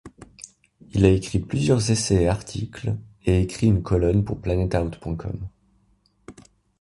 Il a publié plusieurs essais et articles, et écrit une colonne pour PlanetOut.com.